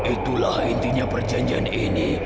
itulah intinya perjanjian ini